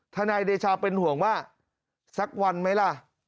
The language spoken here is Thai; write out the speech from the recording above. นายเดชาเป็นห่วงว่าสักวันไหมล่ะ